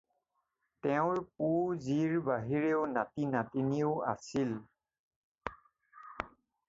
তেওঁৰ পো-জীৰ বাহিৰেও নাতি নাতিনীও আছিল।